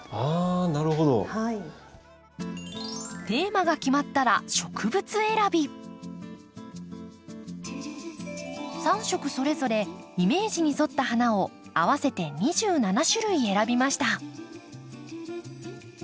テーマが決まったら３色それぞれイメージに沿った花を合わせて２７種類選びました。